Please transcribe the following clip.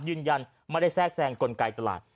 ยืนยันไม่ได้แทรกแซงกลไกตลาด